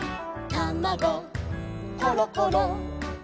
「たまごころころ」